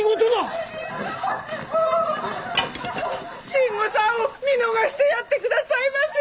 慎吾さんを見逃してやって下さいまし！